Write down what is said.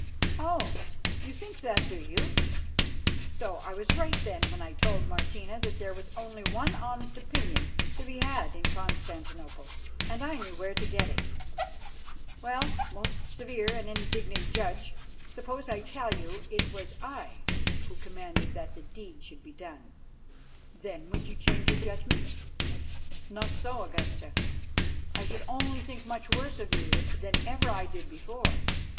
"Oh! you think that, do you? So I was right when I told Martina that there was only one honest opinion to be had in Constantinople and I knew where to get it. Well, most severe and indignant judge, suppose I tell you it was I who commanded that this deed should be done. Then would you change your judgment?" "Not so, Augusta. I should only think much worse of you than ever I did before.